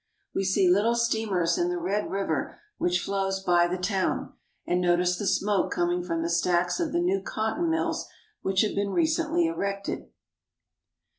We see little steamers in the Red River which flows by the town, and notice the smoke coming from the stacks of the new cotton mills which have been recently erected.